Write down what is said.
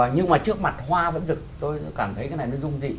nhưng mà trước mặt hoa vẫn rực tôi cảm thấy cái này nó rung thị